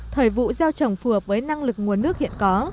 thời vụ gieo trồng phù hợp với năng lực nguồn nước hiện có